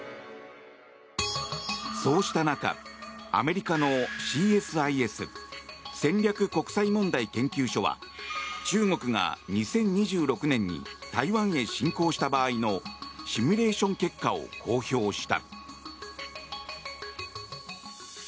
そうした中、アメリカのＣＳＩＳ・戦略国際問題研究所は中国が２０２６年に台湾へ進攻した場合のシミュレーション結果を公表した。